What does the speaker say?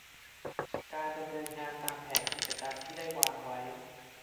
การดำเนินงานตามแผนกิจกรรมที่ได้วางไว้